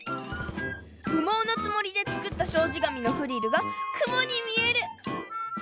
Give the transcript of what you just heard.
うもうのつもりでつくったしょうじがみのフリルがくもにみえる！